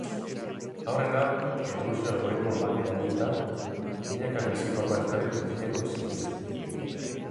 Aurrena, eboluzio-algoritmo bat erabilita, milaka bizi-forma ezberdin diseinatu zituzten.